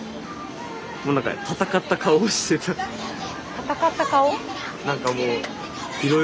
闘った顔？